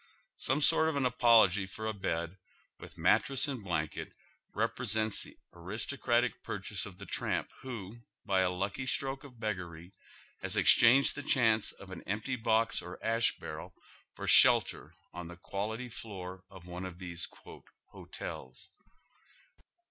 Some sort of an apolc^y for a bed, with mattress and blanket, represents the aristocratic purchase of the tramp who, by a lucky stroke of beggary, has exchanged the chance of an empty box or ash barrel for shelter on the quality floor of one of these " hotels."